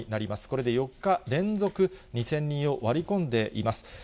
これで４日連続２０００人を割り込んでいます。